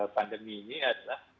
pandemi ini adalah